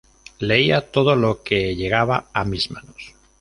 Leía todo lo que llegaba a mis manos.